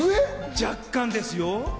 若干ですよ。